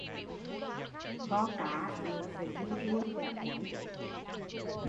Kho cá lửa phải riu riu kẻo cháy